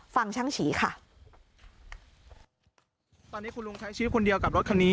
ฟังช่างฉีค่ะตอนนี้คุณลุงใช้ชีวิตคนเดียวกับรถคันนี้